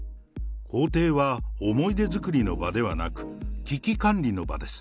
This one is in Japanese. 公邸は思い出作りの場ではなく、危機管理の場です。